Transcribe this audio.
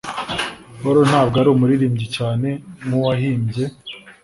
Paul ntabwo ari umuririmbyi cyane nkuwahimbye.